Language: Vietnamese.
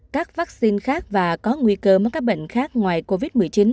các vaccine khác và có nguy cơ mắc các bệnh khác ngoài covid một mươi chín